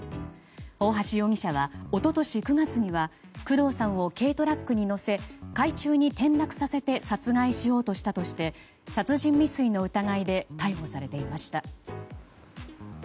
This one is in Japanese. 大橋容疑者は、一昨年９月には工藤さんを軽トラックに乗せて海中に転落させて殺害しようとしたとして殺人未遂の疑いで逮捕されていました。